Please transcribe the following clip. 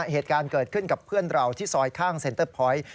เหตุการณ์เกิดขึ้นกับเพื่อนเราที่ซอยข้างเซ็นเตอร์พอยต์